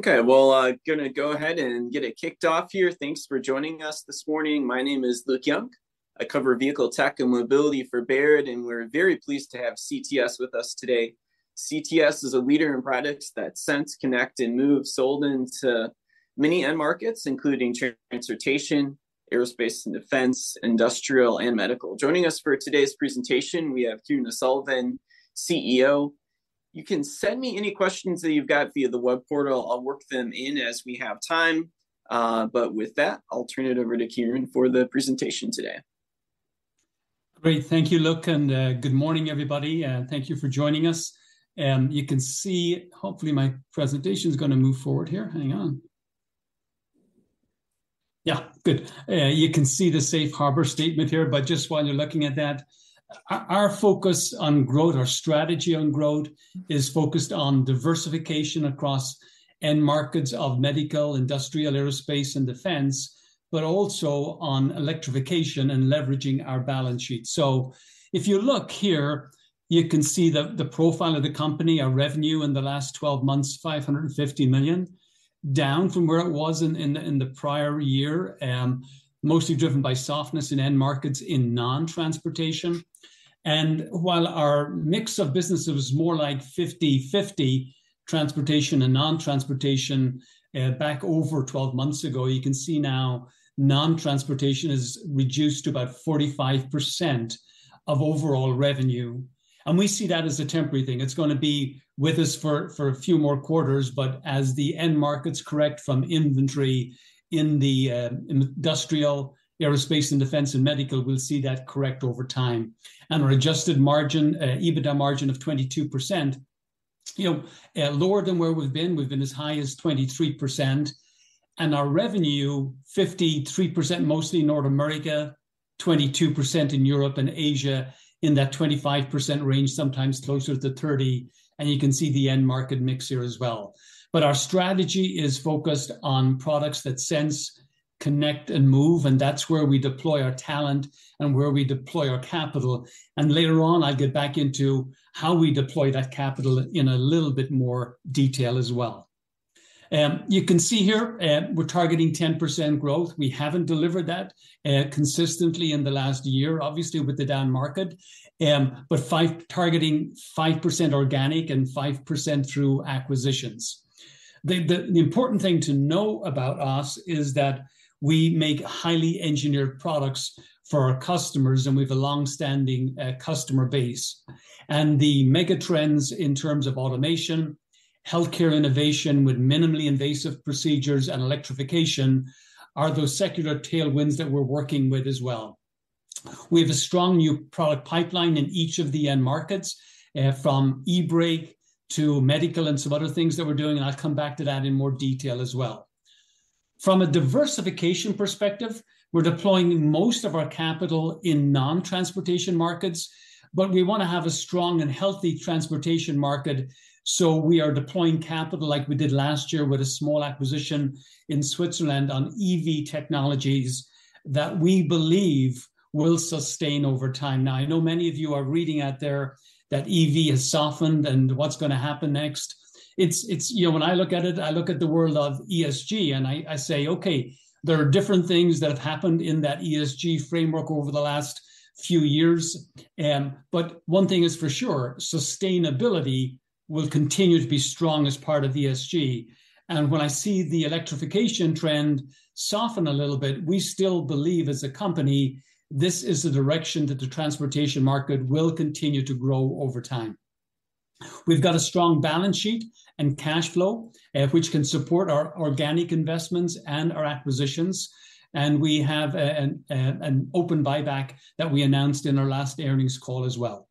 Okay, well, gonna go ahead and get it kicked off here. Thanks for joining us this morning. My name is Luke Junk. I cover vehicle tech and mobility for Baird, and we're very pleased to have CTS with us today. CTS is a leader in products that sense, connect, and move, sold into many end markets, including transportation, aerospace and defense, industrial, and medical. Joining us for today's presentation, we have Kieran O'Sullivan, CEO. You can send me any questions that you've got via the web portal. I'll work them in as we have time. But with that, I'll turn it over to Kieran for the presentation today. Great. Thank you, Luke, and good morning, everybody, and thank you for joining us. You can see hopefully my presentation's gonna move forward here. Hang on. Yeah, good. You can see the safe harbor statement here, but just while you're looking at that, our focus on growth, our strategy on growth is focused on diversification across end markets of medical, industrial, aerospace, and defense, but also on electrification and leveraging our balance sheet. So if you look here, you can see the profile of the company. Our revenue in the last 12 months, $550 million, down from where it was in the prior year, mostly driven by softness in end markets in non-transportation. And while our mix of businesses was more like 50/50, transportation and non-transportation, back over 12 months ago, you can see now non-transportation is reduced to about 45% of overall revenue, and we see that as a temporary thing. It's gonna be with us for a few more quarters, but as the end markets correct from inventory in industrial, aerospace and defense, and medical, we'll see that correct over time. And our adjusted margin, EBITDA margin of 22%, you know, lower than where we've been. We've been as high as 23%. And our revenue, 53%, mostly in North America, 22% in Europe and Asia, in that 25% range, sometimes closer to 30, and you can see the end market mix here as well. But our strategy is focused on products that sense, connect, and move, and that's where we deploy our talent and where we deploy our capital, and later on, I'll get back into how we deploy that capital in a little bit more detail as well. You can see here, we're targeting 10% growth. We haven't delivered that consistently in the last year, obviously, with the down market, but targeting 5% organic and 5% through acquisitions. The important thing to know about us is that we make highly engineered products for our customers, and we've a long-standing customer base. And the mega trends in terms of automation, healthcare innovation with minimally invasive procedures, and electrification are those secular tailwinds that we're working with as well. We have a strong new product pipeline in each of the end markets from eBrake to medical and some other things that we're doing, and I'll come back to that in more detail as well. From a diversification perspective, we're deploying most of our capital in non-transportation markets, but we wanna have a strong and healthy transportation market, so we are deploying capital like we did last year with a small acquisition in Switzerland on EV technologies that we believe will sustain over time. Now, I know many of you are reading out there that EV has softened, and what's gonna happen next? It's... You know, when I look at it, I look at the world of ESG, and I say, "Okay, there are different things that have happened in that ESG framework over the last few years," but one thing is for sure, sustainability will continue to be strong as part of ESG. When I see the electrification trend soften a little bit, we still believe as a company, this is the direction that the transportation market will continue to grow over time. We've got a strong balance sheet and cash flow, which can support our organic investments and our acquisitions, and we have an open buyback that we announced in our last earnings call as well.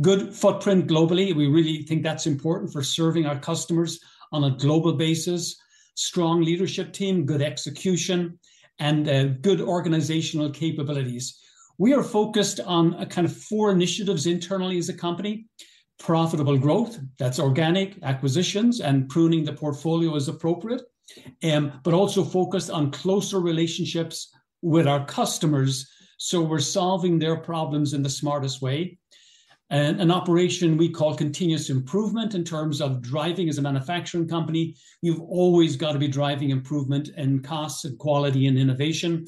Good footprint globally. We really think that's important for serving our customers on a global basis. Strong leadership team, good execution, and good organizational capabilities. We are focused on a kind of four initiatives internally as a company: profitable growth, that's organic, acquisitions, and pruning the portfolio as appropriate, but also focused on closer relationships with our customers, so we're solving their problems in the smartest way. An operation we call continuous improvement in terms of driving as a manufacturing company. You've always got to be driving improvement in costs and quality and innovation.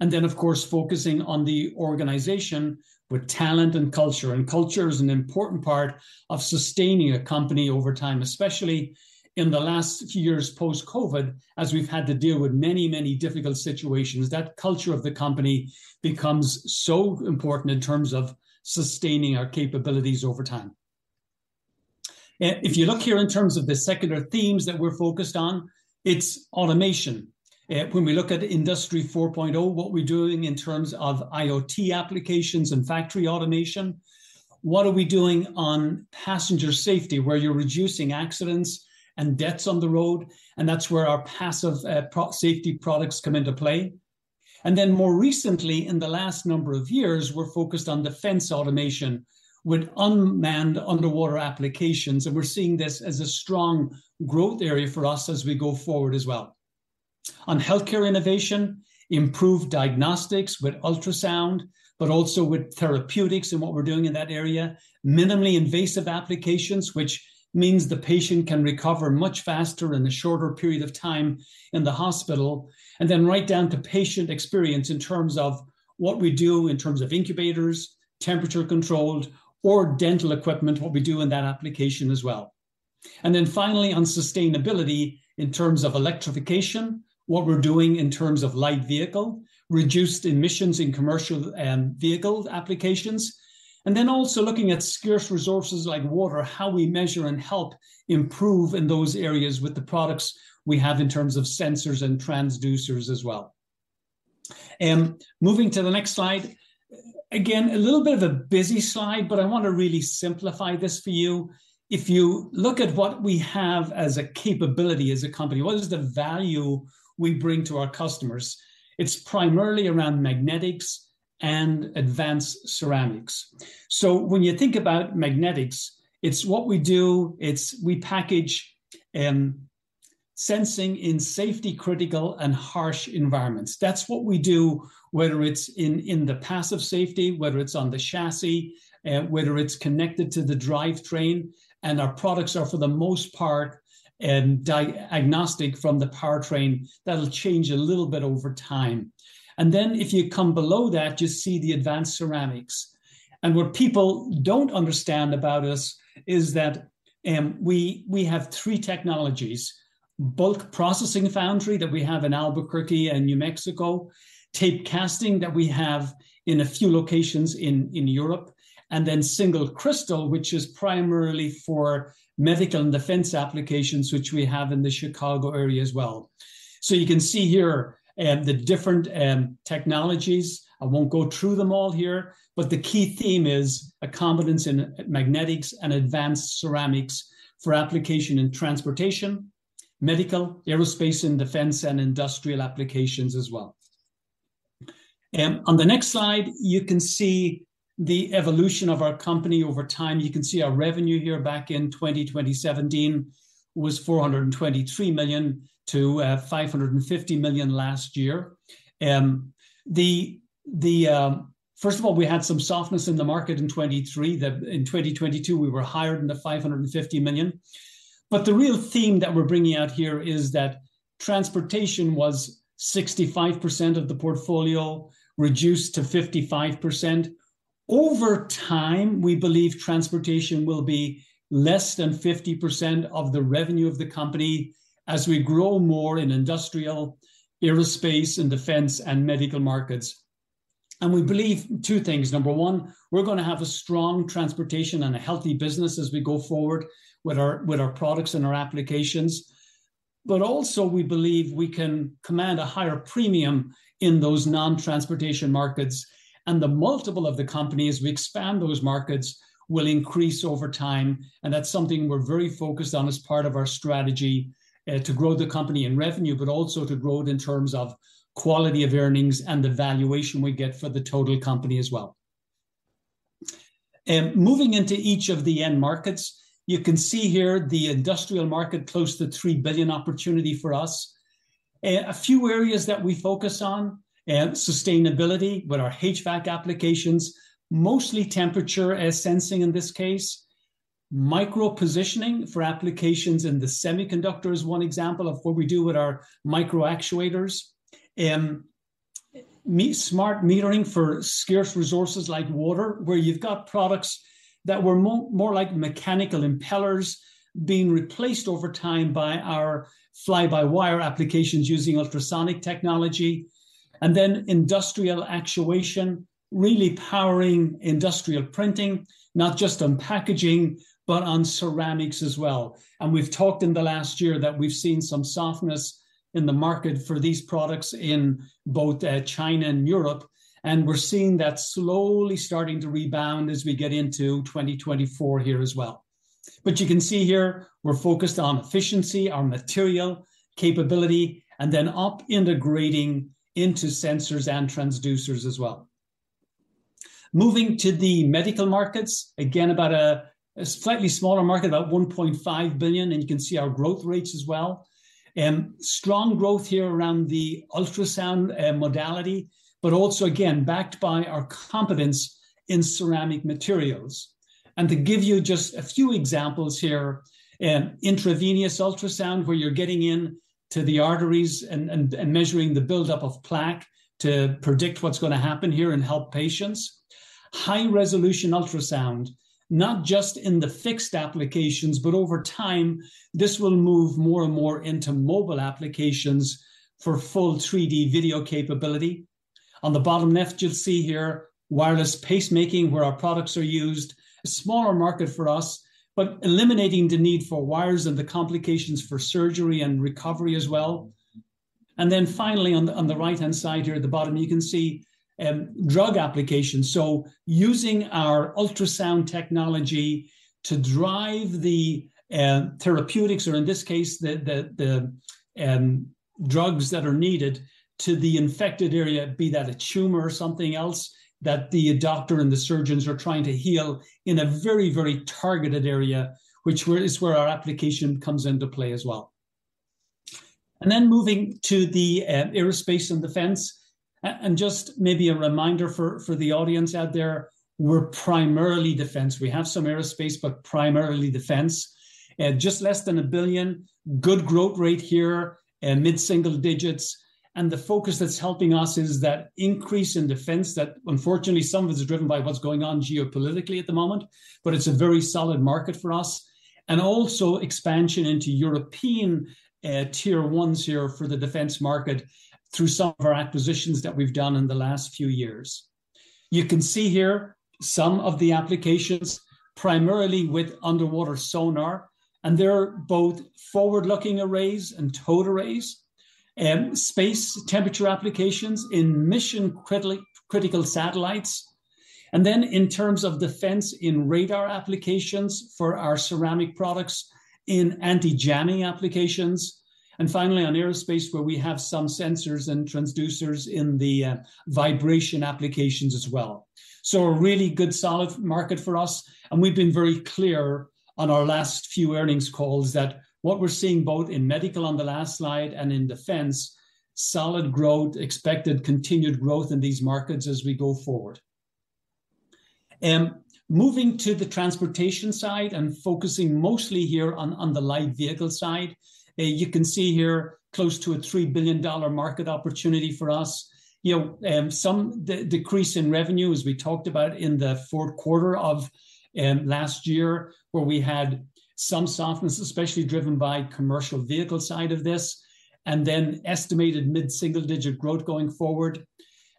And then, of course, focusing on the organization with talent and culture, and culture is an important part of sustaining a company over time, especially in the last few years, post-COVID, as we've had to deal with many, many difficult situations. That culture of the company becomes so important in terms of sustaining our capabilities over time. If you look here in terms of the secular themes that we're focused on, it's automation. When we look at Industry 4.0, what we're doing in terms of IoT applications and factory automation, what are we doing on passenger safety, where you're reducing accidents and deaths on the road? And that's where our passive safety products come into play. And then, more recently, in the last number of years, we're focused on defense automation with unmanned underwater applications, and we're seeing this as a strong growth area for us as we go forward as well.... On healthcare innovation, improved diagnostics with ultrasound, but also with therapeutics and what we're doing in that area. Minimally invasive applications, which means the patient can recover much faster in a shorter period of time in the hospital, and then right down to patient experience in terms of what we do in terms of incubators, temperature-controlled or dental equipment, what we do in that application as well. And then finally, on sustainability, in terms of electrification, what we're doing in terms of light vehicle, reduced emissions in commercial vehicle applications and then also looking at scarce resources like water, how we measure and help improve in those areas with the products we have in terms of sensors and transducers as well. Moving to the next slide. Again, a little bit of a busy slide, but I wanna really simplify this for you. If you look at what we have as a capability as a company, what is the value we bring to our customers? It's primarily around magnetics and advanced ceramics. So when you think about magnetics, it's what we do, it's we package sensing in safety-critical and harsh environments. That's what we do, whether it's in the passive safety, whether it's on the chassis, whether it's connected to the drivetrain, and our products are, for the most part, diagnostic from the powertrain. That'll change a little bit over time. And then, if you come below that, you see the advanced ceramics. And what people don't understand about us is that we have three technologies: bulk processing foundry that we have in Albuquerque, New Mexico; tape casting that we have in a few locations in Europe; and then single crystal, which is primarily for medical and defense applications, which we have in the Chicago area as well. So you can see here the different technologies. I won't go through them all here, but the key theme is a competence in magnetics and advanced ceramics for application in transportation, medical, aerospace and defense, and industrial applications as well. On the next slide, you can see the evolution of our company over time. You can see our revenue here back in 2017 was $423 million to $550 million last year. First of all, we had some softness in the market in 2023. In 2022, we were higher than the $550 million. But the real theme that we're bringing out here is that transportation was 65% of the portfolio, reduced to 55%. Over time, we believe transportation will be less than 50% of the revenue of the company as we grow more in industrial, aerospace, and defense, and medical markets. We believe two things: number one, we're gonna have a strong transportation and a healthy business as we go forward with our, with our products and our applications. But also, we believe we can command a higher premium in those non-transportation markets, and the multiple of the company, as we expand those markets, will increase over time, and that's something we're very focused on as part of our strategy to grow the company in revenue, but also to grow it in terms of quality of earnings and the valuation we get for the total company as well. Moving into each of the end markets, you can see here the industrial market, close to $3 billion opportunity for us. A few areas that we focus on, sustainability with our HVAC applications, mostly temperature sensing in this case. Micro-positioning for applications in the semiconductor is one example of what we do with our microactuators. Smart metering for scarce resources like water, where you've got products that were more like mechanical impellers being replaced over time by our fly-by-wire applications using ultrasonic technology. And then industrial actuation, really powering industrial printing, not just on packaging, but on ceramics as well. And we've talked in the last year that we've seen some softness in the market for these products in both China and Europe, and we're seeing that slowly starting to rebound as we get into 2024 here as well. But you can see here, we're focused on efficiency, on material capability, and then integrating into sensors and transducers as well. Moving to the medical markets, again, about a slightly smaller market, about $1.5 billion, and you can see our growth rates as well. Strong growth here around the ultrasound modality, but also again, backed by our competence in ceramic materials. And to give you just a few examples here, intravascular ultrasound, where you're getting in to the arteries and measuring the buildup of plaque to predict what's gonna happen here and help patients. High-resolution ultrasound, not just in the fixed applications, but over time, this will move more and more into mobile applications for full 3D video capability. On the bottom left, you'll see here wireless pacemaking, where our products are used. A smaller market for us, but eliminating the need for wires and the complications for surgery and recovery as well. And then finally, on the right-hand side here at the bottom, you can see drug applications. So using our ultrasound technology to drive the therapeutics, or in this case, the drugs that are needed to the infected area, be that a tumor or something else, that the doctor and the surgeons are trying to heal in a very, very targeted area, which is where our application comes into play as well. Then moving to the aerospace and defense. And just maybe a reminder for the audience out there, we're primarily defense. We have some aerospace, but primarily defense. Just less than $1 billion, good growth rate here, and mid-single digits, and the focus that's helping us is that increase in defense that unfortunately, some of it's driven by what's going on geopolitically at the moment, but it's a very solid market for us. Also expansion into European tier ones here for the defense market through some of our acquisitions that we've done in the last few years. You can see here some of the applications, primarily with underwater sonar, and they're both forward-looking arrays and towed arrays. Space temperature applications in mission critical satellites, and then in terms of defense, in radar applications for our ceramic products, in anti-jamming applications. Finally, on aerospace, where we have some sensors and transducers in the vibration applications as well. So a really good, solid market for us, and we've been very clear on our last few earnings calls that what we're seeing both in medical on the last slide and in defense, solid growth, expected continued growth in these markets as we go forward. Moving to the transportation side and focusing mostly here on the light vehicle side, you can see here close to a $3 billion market opportunity for us. You know, some decrease in revenue, as we talked about in the fourth quarter of last year, where we had some softness, especially driven by commercial vehicle side of this, and then estimated mid-single-digit growth going forward.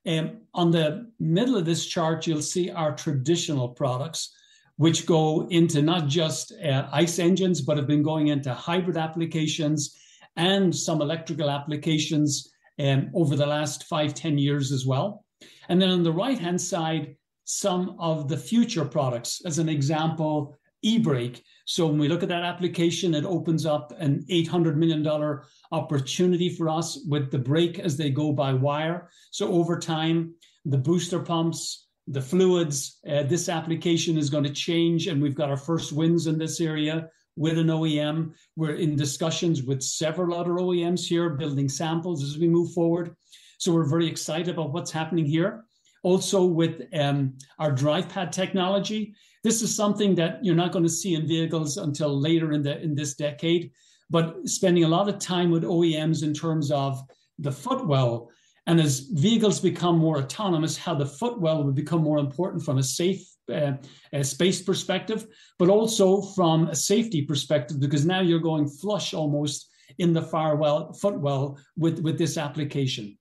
On the middle of this chart, you'll see our traditional products, which go into not just ICE engines, but have been going into hybrid applications and some electrical applications over the last five, 10 years as well. Then on the right-hand side, some of the future products, as an example, e-Brake. So when we look at that application, it opens up an $800 million opportunity for us with the brake as they go by wire. So over time, the booster pumps, the fluids, this application is gonna change, and we've got our first wins in this area with an OEM. We're in discussions with several other OEMs here, building samples as we move forward, so we're very excited about what's happening here. Also, with our drive pad technology, this is something that you're not gonna see in vehicles until later in this decade. But spending a lot of time with OEMs in terms of the footwell, and as vehicles become more autonomous, how the footwell will become more important from a safe space perspective, but also from a safety perspective, because now you're going flush almost in the footwell with this application.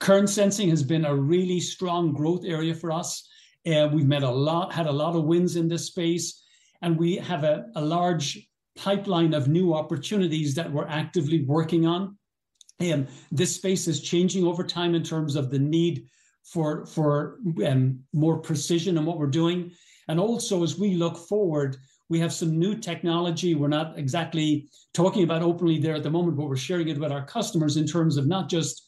Current sensing has been a really strong growth area for us. We've had a lot of wins in this space, and we have a large pipeline of new opportunities that we're actively working on. This space is changing over time in terms of the need for more precision in what we're doing. As we look forward, we have some new technology we're not exactly talking about openly there at the moment, but we're sharing it with our customers in terms of not just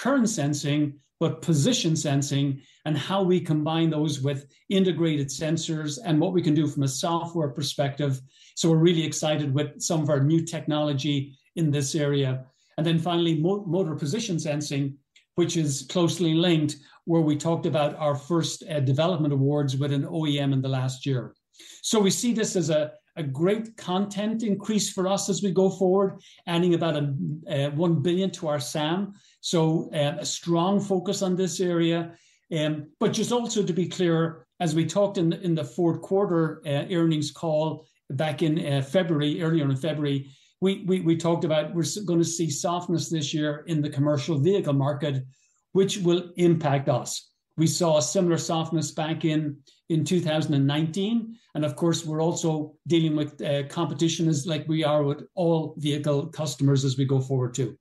current sensing, but position sensing and how we combine those with integrated sensors and what we can do from a software perspective. So we're really excited with some of our new technology in this area. And then finally, motor position sensing, which is closely linked, where we talked about our first development awards with an OEM in the last year. So we see this as a great content increase for us as we go forward, adding about $1 billion to our SAM. So a strong focus on this area. But just also to be clear, as we talked in the fourth quarter earnings call back in February, earlier in February, we talked about we're gonna see softness this year in the commercial vehicle market, which will impact us. We saw a similar softness back in 2019, and of course, we're also dealing with competition as like we are with all vehicle customers as we go forward, too.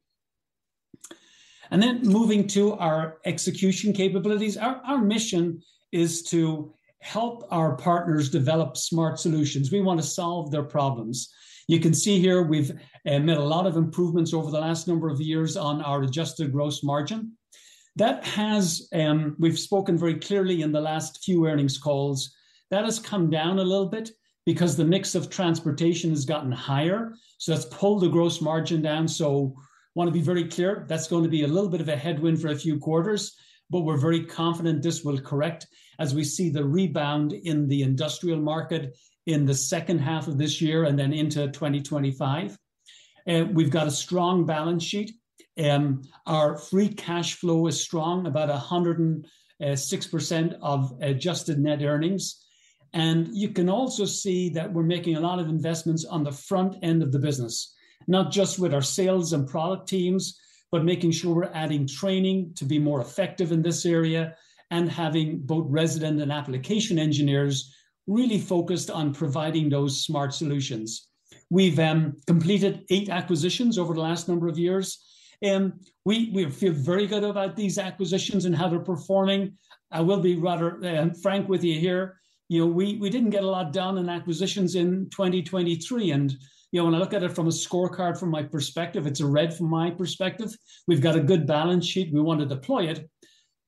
Then moving to our execution capabilities, our mission is to help our partners develop smart solutions. We want to solve their problems. You can see here we've made a lot of improvements over the last number of years on our adjusted gross margin. That has... We've spoken very clearly in the last few earnings calls, that has come down a little bit because the mix of transportation has gotten higher, so that's pulled the gross margin down. So want to be very clear, that's going to be a little bit of a headwind for a few quarters, but we're very confident this will correct as we see the rebound in the industrial market in the second half of this year and then into 2025. We've got a strong balance sheet, our free cash flow is strong, about 106% of adjusted net earnings. You can also see that we're making a lot of investments on the front end of the business, not just with our sales and product teams, but making sure we're adding training to be more effective in this area, and having both resident and application engineers really focused on providing those smart solutions. We've completed eight acquisitions over the last number of years, we feel very good about these acquisitions and how they're performing. I will be rather frank with you here. You know, we didn't get a lot done in acquisitions in 2023, and, you know, when I look at it from a scorecard, from my perspective, it's a red from my perspective. We've got a good balance sheet, and we want to deploy it-...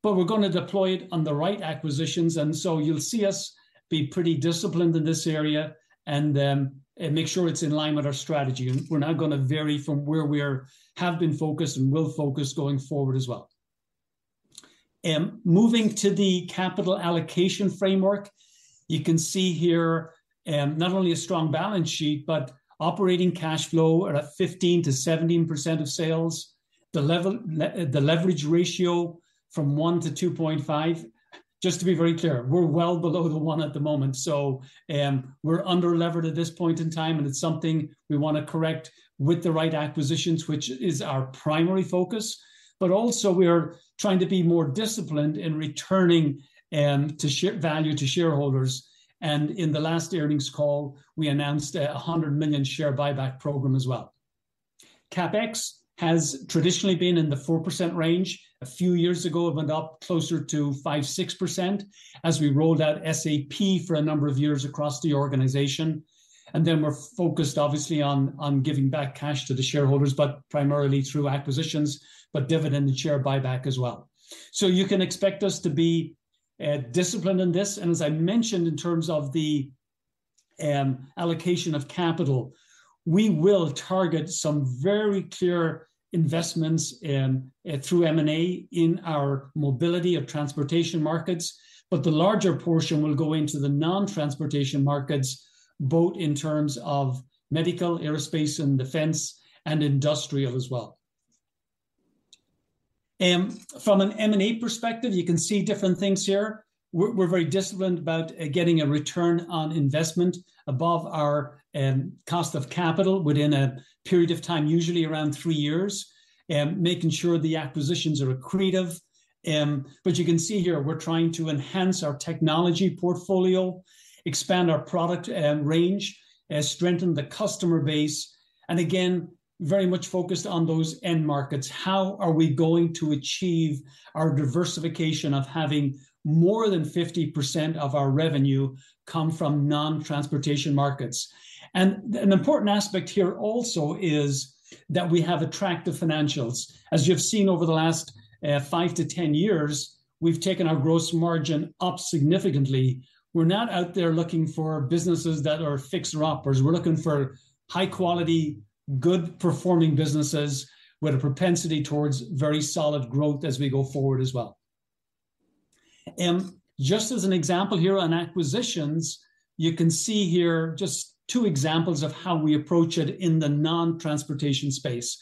but we're gonna deploy it on the right acquisitions, and so you'll see us be pretty disciplined in this area, and make sure it's in line with our strategy. And we're not gonna vary from where we are, have been focused and will focus going forward as well. Moving to the capital allocation framework, you can see here not only a strong balance sheet but operating cash flow at a 15%-17% of sales. The leverage ratio 1-2.5. Just to be very clear, we're well below the 1 at the moment, so we're under-levered at this point in time, and it's something we wanna correct with the right acquisitions, which is our primary focus. But also, we are trying to be more disciplined in returning to share value to shareholders, and in the last earnings call, we announced $100 million share buyback program as well. CapEx has traditionally been in the 4% range. A few years ago, it went up closer to 5%-6% as we rolled out SAP for a number of years across the organization. And then we're focused obviously on, on giving back cash to the shareholders, but primarily through acquisitions, but dividend and share buyback as well. So you can expect us to be disciplined in this, and as I mentioned, in terms of the allocation of capital, we will target some very clear investments through M&A in our mobility of transportation markets, but the larger portion will go into the non-transportation markets, both in terms of medical, aerospace, and defense, and industrial as well. From an M&A perspective, you can see different things here. We're very disciplined about getting a return on investment above our cost of capital within a period of time, usually around three years, making sure the acquisitions are accretive. But you can see here, we're trying to enhance our technology portfolio, expand our product range, strengthen the customer base, and again, very much focused on those end markets. How are we going to achieve our diversification of having more than 50% of our revenue come from non-transportation markets? An important aspect here also is that we have attractive financials. As you have seen over the last 5-10 years, we've taken our gross margin up significantly. We're not out there looking for businesses that are fixer-uppers. We're looking for high-quality, good-performing businesses with a propensity towards very solid growth as we go forward as well. Just as an example here on acquisitions, you can see here just two examples of how we approach it in the non-transportation space.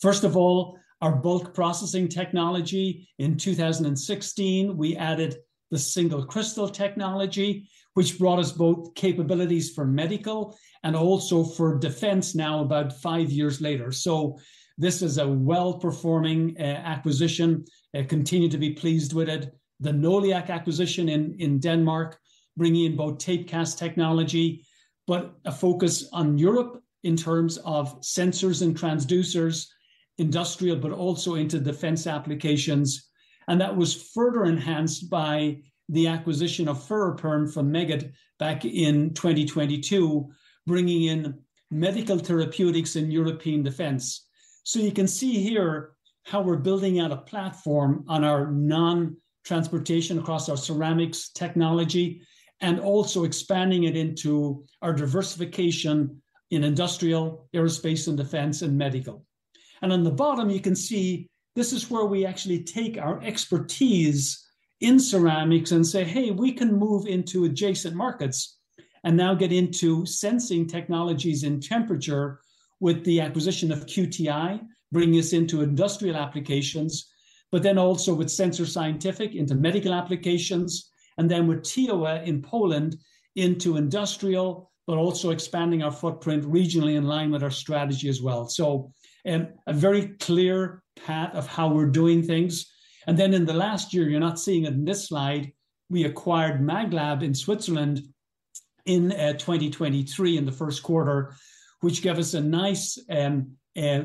First of all, our bulk processing technology. In 2016, we added the single-crystal technology, which brought us both capabilities for medical and also for defense now, about 5 years later. So this is a well-performing acquisition. I continue to be pleased with it. The Noliac acquisition in Denmark, bringing in both tape casting technology, but a focus on Europe in terms of sensors and transducers, industrial, but also into defense applications, and that was further enhanced by the acquisition of Ferroperm from Meggitt back in 2022, bringing in medical therapeutics and European defense. So you can see here how we're building out a platform on our non-transportation across our ceramics technology, and also expanding it into our diversification in industrial, aerospace, and defense, and medical. On the bottom, you can see this is where we actually take our expertise in ceramics and say, "Hey, we can move into adjacent markets," and now get into sensing technologies and temperature with the acquisition of QTI, bringing us into industrial applications, but then also with Sensor Scientific into medical applications, and then with TEWA in Poland into industrial, but also expanding our footprint regionally in line with our strategy as well. So, a very clear path of how we're doing things. And then in the last year, you're not seeing it in this slide, we acquired maglab in Switzerland in 2023 in the first quarter, which gave us a nice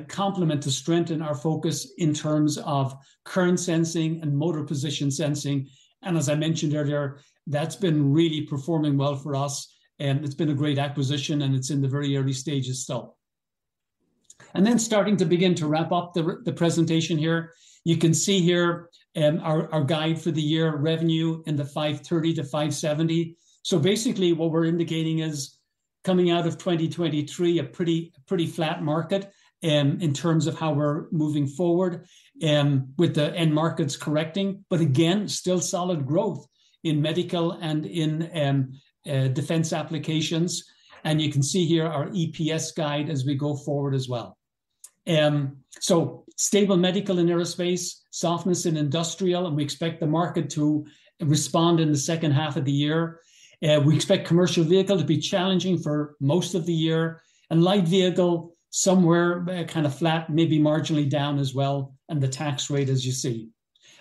complement to strengthen our focus in terms of current sensing and motor position sensing. As I mentioned earlier, that's been really performing well for us, and it's been a great acquisition, and it's in the very early stages still. Then starting to begin to wrap up the presentation here. You can see here, our guide for the year revenue in the $530 million-$570 million. So basically, what we're indicating is coming out of 2023, a pretty, pretty flat market in terms of how we're moving forward with the end markets correcting, but again, still solid growth in medical and in defense applications. And you can see here our EPS guide as we go forward as well. So stable medical and aerospace, softness in industrial, and we expect the market to respond in the second half of the year. We expect commercial vehicle to be challenging for most of the year, and light vehicle, somewhere, kind of flat, maybe marginally down as well, and the tax rate, as you see.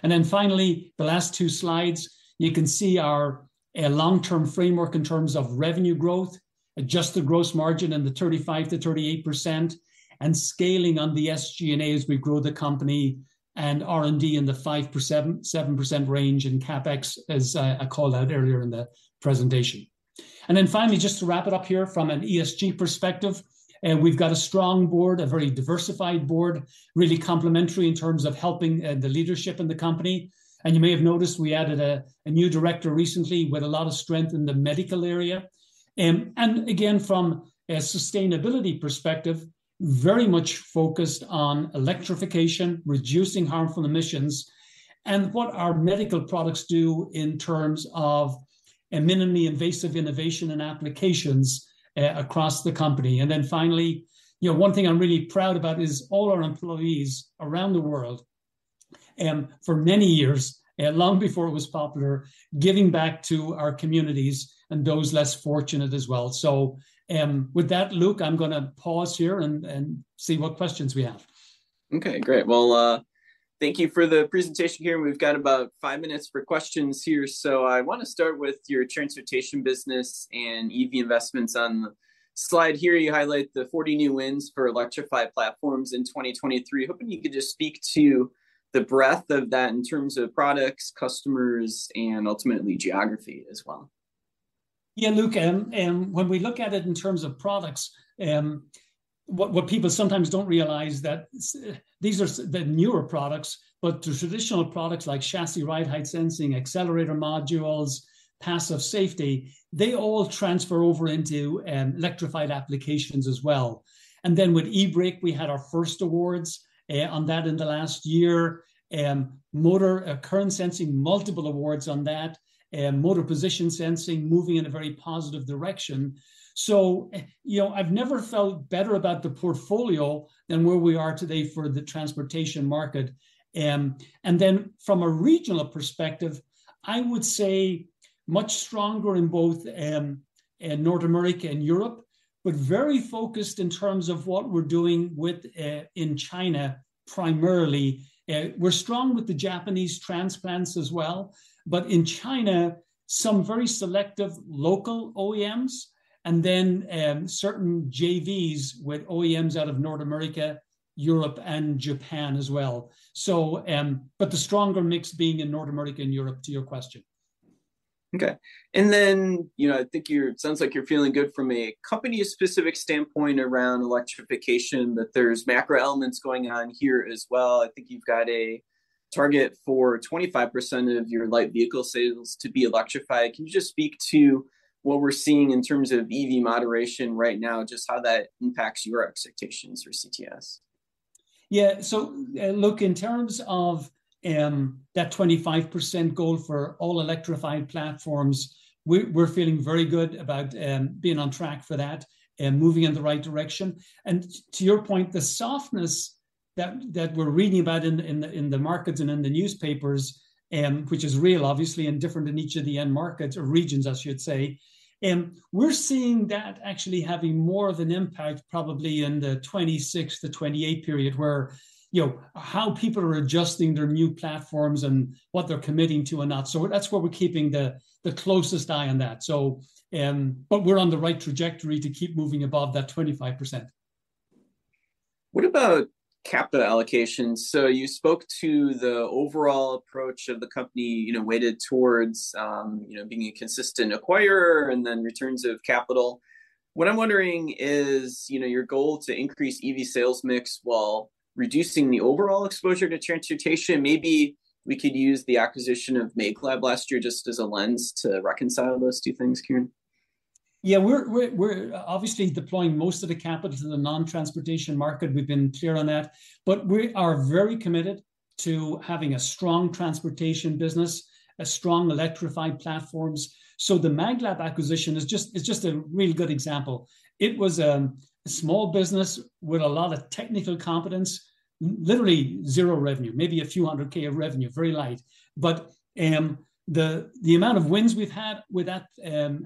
Then finally, the last two slides, you can see our long-term framework in terms of revenue growth, adjusted gross margin in the 35%-38%, and scaling on the SG&A as we grow the company, and R&D in the 5%-7% range in CapEx, as I called out earlier in the presentation. Then finally, just to wrap it up here from an ESG perspective, we've got a strong board, a very diversified board, really complementary in terms of helping the leadership in the company. And you may have noticed, we added a new director recently with a lot of strength in the medical area. Again, from a sustainability perspective, very much focused on electrification, reducing harmful emissions, and what our medical products do in terms of a minimally invasive innovation and applications across the company. Then finally, you know, one thing I'm really proud about is all our employees around the world, for many years, and long before it was popular, giving back to our communities and those less fortunate as well. With that, Luke, I'm gonna pause here and see what questions we have. Okay, great. Well, thank you for the presentation here. We've got about five minutes for questions here, so I wanna start with your transportation business and EV investments. On the slide here, you highlight the 40 new wins for electrified platforms in 2023. Hoping you could just speak to the breadth of that in terms of products, customers, and ultimately geography as well. Yeah, Luke, and when we look at it in terms of products, what people sometimes don't realize that these are the newer products, but the traditional products like chassis ride height sensing, accelerator modules, passive safety, they all transfer over into electrified applications as well. And then with e-Brake, we had our first awards on that in the last year. Motor current sensing, multiple awards on that. Motor position sensing, moving in a very positive direction. So, you know, I've never felt better about the portfolio than where we are today for the transportation market. And then from a regional perspective, I would say much stronger in both North America and Europe, but very focused in terms of what we're doing in China primarily. We're strong with the Japanese transplants as well, but in China, some very selective local OEMs, and then, certain JVs with OEMs out of North America, Europe, and Japan as well. So, but the stronger mix being in North America and Europe, to your question. Okay. And then, you know, I think you're... It sounds like you're feeling good from a company-specific standpoint around electrification, that there's macro elements going on here as well. I think you've got a target for 25% of your light vehicle sales to be electrified. Can you just speak to what we're seeing in terms of EV moderation right now, just how that impacts your expectations for CTS? Yeah. So, look, in terms of that 25% goal for all electrified platforms, we're feeling very good about being on track for that and moving in the right direction. To your point, the softness that we're reading about in the markets and in the newspapers, which is real, obviously, and different in each of the end markets or regions, I should say, we're seeing that actually having more of an impact probably in the 2026-2028 period, where, you know, how people are adjusting their new platforms and what they're committing to or not. So that's where we're keeping the closest eye on that. But we're on the right trajectory to keep moving above that 25%. What about capital allocation? So you spoke to the overall approach of the company, you know, weighted towards, you know, being a consistent acquirer and then returns of capital. What I'm wondering is, you know, your goal to increase EV sales mix while reducing the overall exposure to transportation, maybe we could use the acquisition of maglab last year just as a lens to reconcile those two things, Kieran? Yeah, we're obviously deploying most of the capital to the non-transportation market. We've been clear on that. But we are very committed to having a strong transportation business, a strong electrified platforms. So the maglab acquisition is just, it's just a really good example. It was a small business with a lot of technical competence, literally zero revenue, maybe a few hundred K of revenue, very light. But the amount of wins we've had with that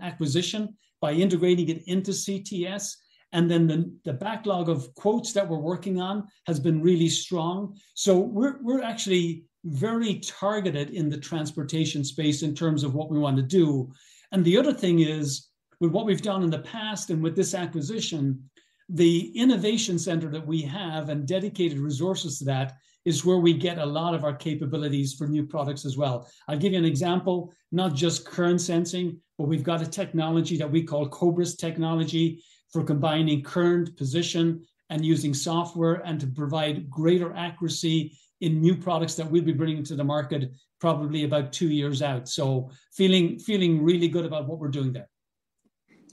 acquisition by integrating it into CTS, and then the backlog of quotes that we're working on, has been really strong. So we're actually very targeted in the transportation space in terms of what we want to do. The other thing is, with what we've done in the past and with this acquisition, the innovation center that we have, and dedicated resources to that, is where we get a lot of our capabilities for new products as well. I'll give you an example, not just current sensing, but we've got a technology that we call Cobras technology for combining current position and using software, and to provide greater accuracy in new products that we'll be bringing to the market, probably about two years out. So feeling, feeling really good about what we're doing there.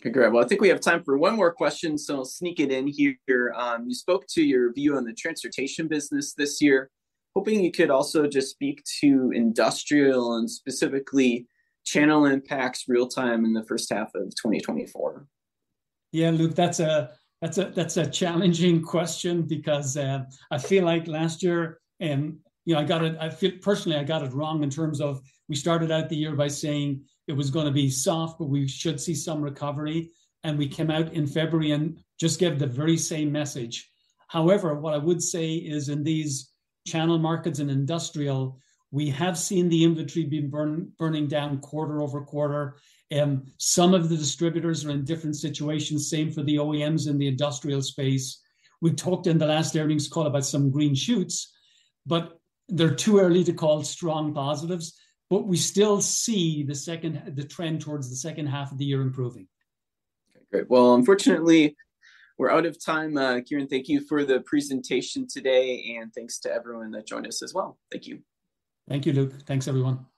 Okay, great. Well, I think we have time for one more question, so I'll sneak it in here. You spoke to your view on the transportation business this year. Hoping you could also just speak to industrial and specifically channel impacts real time in the first half of 2024? Yeah, Luke, that's a challenging question because I feel like last year, you know, I got it... I feel personally, I got it wrong in terms of, we started out the year by saying it was gonna be soft, but we should see some recovery, and we came out in February and just gave the very same message. However, what I would say is in these channel markets and industrial, we have seen the inventory being burning down quarter-over-quarter, some of the distributors are in different situations, same for the OEMs in the industrial space. We talked in the last earnings call about some green shoots, but they're too early to call strong positives, but we still see the trend towards the second half of the year improving. Okay, great. Well, unfortunately, we're out of time. Kieran, thank you for the presentation today, and thanks to everyone that joined us as well. Thank you. Thank you, Luke. Thanks, everyone.